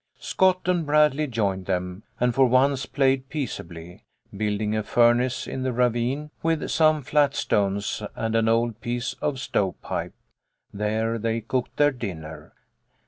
Scott and Bradley joined them, and for once played peaceably, building a furnace in the ravine with some flat stones and an old piece of stove pipe. There they cooked their dinner.